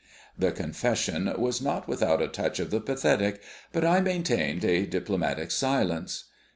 The confession was not without a touch of the pathetic, but I maintained a diplomatic silence.